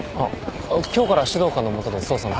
今日から指導官の下で捜査の。